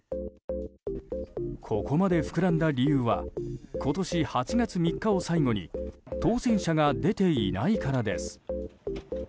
ここまで膨らんだ理由は今年８月３日を最後に当せん者が出ていないからです。